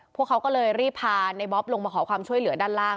พวกเขาก็เลยรีบพาในบ๊อบลงมาขอความช่วยเหลือด้านล่าง